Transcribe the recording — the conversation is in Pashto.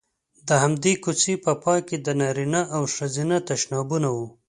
د همدې کوڅې په پای کې د نارینه او ښځینه تشنابونه وو.